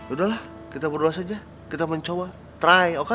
udah kita berdua saja kita mencoba try oke